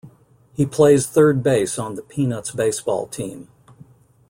He plays third base on the Peanuts baseball team.